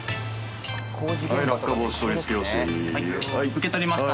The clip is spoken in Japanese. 受け取りました。